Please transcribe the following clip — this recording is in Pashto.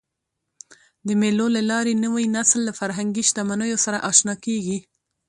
د مېلو له لاري نوی نسل له فرهنګي شتمنیو سره اشنا کېږي.